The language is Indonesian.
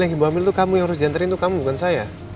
yang ibu hamil itu kamu yang harus diantarin tuh kamu bukan saya